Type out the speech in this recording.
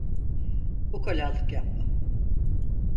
Ukalalık yapma.